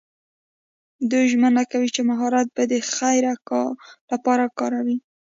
دوی ژمنه کوي چې مهارت به د خیر لپاره کاروي.